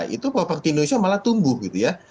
itu properti indonesia malah tumbuh gitu ya